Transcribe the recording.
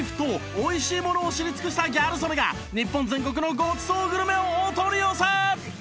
美味しいものを知り尽くしたギャル曽根が日本全国のごちそうグルメをお取り寄せ！